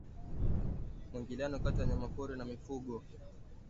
Mwingiliano kati ya wanyamapori na mifugo